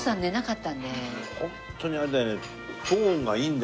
ホントにあれだよね。